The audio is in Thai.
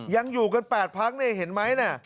ยังอยู่กันแปดพักเห็นไหมนะ